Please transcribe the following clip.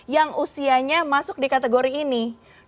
yang usianya masuk di kategori ini